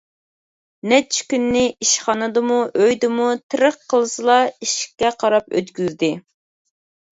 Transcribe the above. نەچچە كۈننى ئىشخانىدىمۇ، ئۆيدىمۇ تىرىق قىلسىلا ئىشىككە قاراپ ئۆتكۈزدى.